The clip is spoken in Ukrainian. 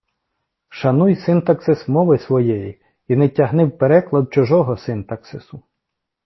Шануй синтаксис мови своєї і не тягни в переклад чужого синтаксису.